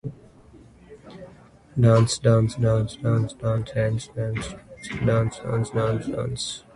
A Music War", features Nomi's live performance of "Total Eclipse.